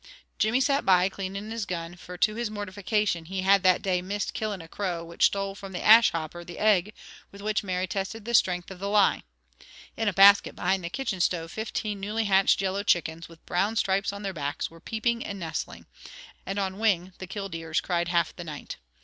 Jimmy sat by cleaning his gun, for to his mortification he had that day missed killing a crow which stole from the ash hopper the egg with which Mary tested the strength of the lye. In a basket behind the kitchen stove fifteen newly hatched yellow chickens, with brown stripes on their backs, were peeping and nestling; and on wing the killdeers cried half the night.